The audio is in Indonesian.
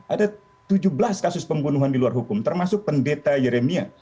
ada tujuh belas kasus pembunuhan di luar hukum termasuk pendeta yeremia